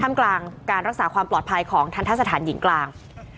มกลางการรักษาความปลอดภัยของทันทะสถานหญิงกลาง